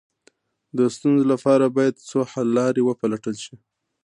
د ستونزو لپاره باید څو حل لارې وپلټل شي.